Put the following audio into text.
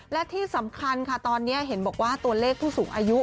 และที่สำคัญค่ะตอนนี้เห็นบอกว่าตัวเลขผู้สูงอายุ